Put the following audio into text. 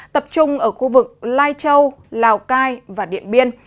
tập trung ở khu vực lai châu lào cai và điện biên